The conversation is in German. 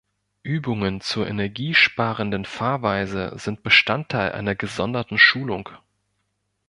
Übungen zur energiesparenden Fahrweise sind Bestandteil einer gesonderten Schulung.